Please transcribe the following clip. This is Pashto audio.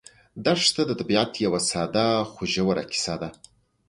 دښته د طبیعت یوه ساده خو ژوره کیسه ده.